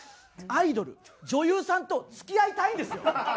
アイドル女優さんと付き合いたいんですよ。